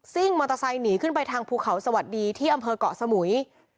่งมอเตอร์ไซค์หนีขึ้นไปทางภูเขาสวัสดีที่อำเภอกเกาะสมุย